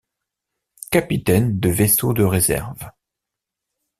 Capitaine de vaisseau de réserve.